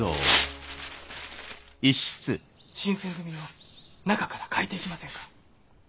新選組を中から変えていきませんか。